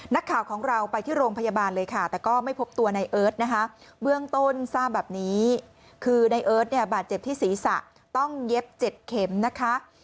นักข่าวของเราไปที่โรงพยาบาลเลยค่ะแต่ก็ไม่พบตัวในเอิร์ทนะคะเบื้องต้นทราบแบบนี้คือในเอิร์ทเนี่ยบาดเจ็บที่ศีรษะต้องเย็บ๗เข็มนะคะ